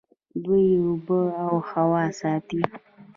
دوی اوبه او هوا ساتي.